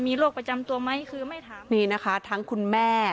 มีโรคประจำตัวไหมคือไม่ถามนี่นะคะทั้งคุณแม่